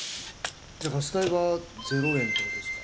じゃあガス代は０円って事ですか？